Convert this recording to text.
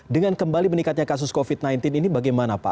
dengan kembali meningkatnya kasus covid sembilan belas ini bagaimana pak